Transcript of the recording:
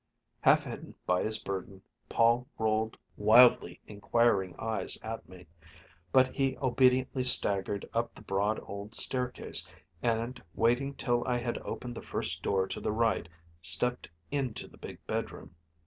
Half hidden by his burden, Paul rolled wildly inquiring eyes at me; but he obediently staggered up the broad old staircase, and waiting till I had opened the first door to the right, stepped into the big bedroom.